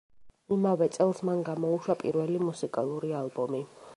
იმავე წელს მან გამოუშვა პირველი მუსიკალური ალბომი.